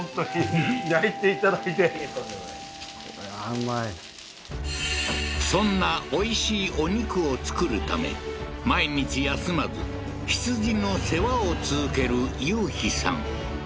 本当にそんなおいしいお肉を作るため毎日休まず羊の世話を続ける雄飛さん